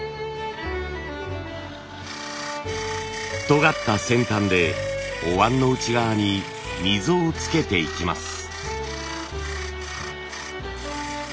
とがった先端でお椀の内側に溝をつけていきます。